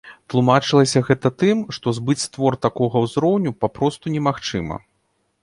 Тлумачылася гэта тым, што збыць твор такога ўзроўню папросту немагчыма.